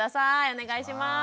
お願いします。